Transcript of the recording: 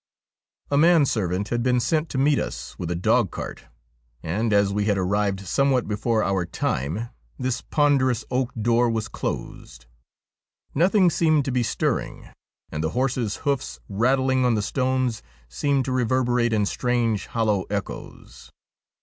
A man servant had been sent to meet us with a dog cart, and, as we had arrived somewhat before our time, this ponder ous oak door was closed ; nothing seemed to be stirring and the horse's hoofs rattling on the stones seemed to reverberate in strange, hollow echoes.